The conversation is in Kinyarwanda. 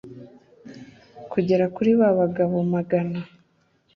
kugera kuri ba bagabo magana